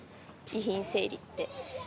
遺品整理って。